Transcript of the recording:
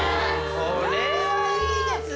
これはいいですね！